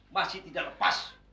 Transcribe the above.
masih tidak lepas